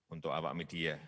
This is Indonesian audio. lima untuk awak media